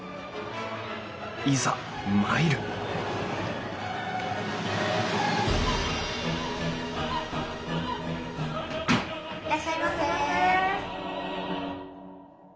いざ参るいらっしゃいませ。